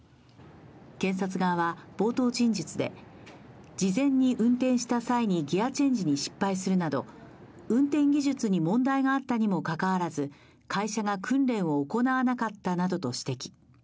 検察側は冒頭陳述で事前に運転した際にギアチェンジに失敗するなど、運転技術に問題があったにもかかわらず、会社が訓練を行わなかったなどと指摘。